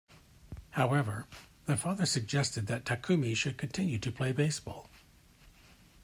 However, the father suggested that Takumi should continue to play baseball.